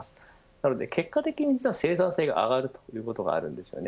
なので結果的に生産性が上がるということがあるんですね。